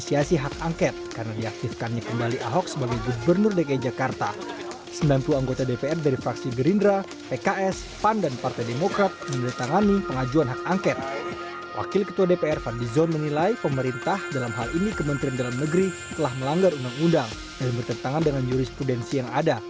setelah melanggar undang undang dan bertentangan dengan jurisprudensi yang ada